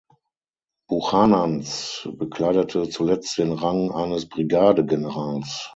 Buchanans bekleidete zuletzt den Rang eines Brigadegenerals.